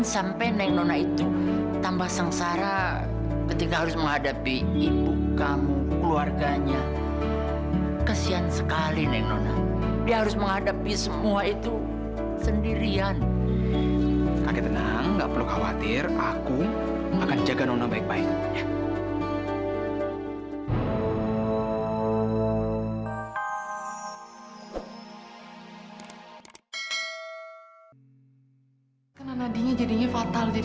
sampai jumpa di video selanjutnya